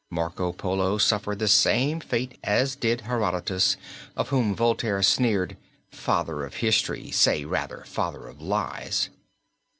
Marco Polo suffered the same fate as did Herodotus of whom Voltaire sneered "father of history, say, rather, father of lies."